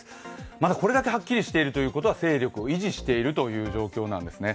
まだこれだけはっきりしているということは、勢力を維持しているという状況なんですね。